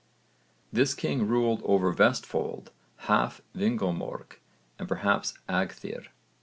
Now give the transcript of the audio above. This king ruled over Vestfold, half Vingulmörk and perhaps Agðir.